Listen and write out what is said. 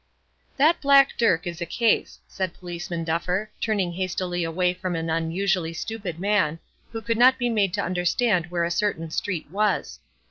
"That Black Dirk is a case," said Policeman Duffer, turning hastily away from an unusually stupid man, who could not be made to understand where a certain street was.